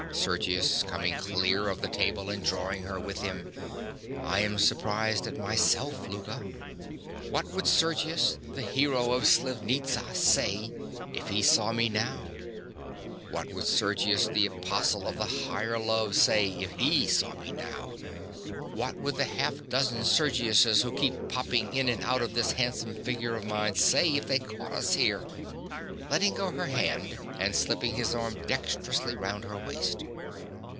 SERGIUS. (coming clear of the table and drawing her with him). I am surprised at myself, Louka. What would Sergius, the hero of Slivnitza, say if he saw me now? What would Sergius, the apostle of the higher love, say if he saw me now? What would the half dozen Sergiuses who keep popping in and out of this handsome figure of mine say if they caught us here? (_Letting go her hand and slipping his arm dexterously round her waist.